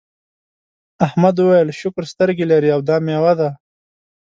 احمد وویل شکر سترګې لرې او دا میوه ده.